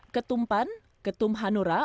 ketumpan ketum hanura